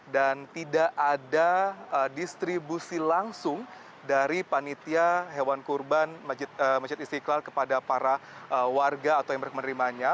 dan tidak ada distribusi langsung dari panitia hewan kurban masjid istiqlal kepada para warga atau yang berhak menerimanya